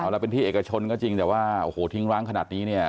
แล้วเป็นที่เอกชนก็จริงแต่ว่าทิ้งร้างขนาดนี้